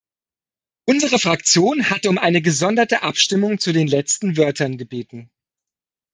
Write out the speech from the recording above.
Unsere Fraktion hatte um eine gesonderte Abstimmung zu den letzten Wörtern gebeten.